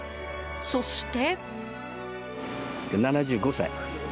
そして。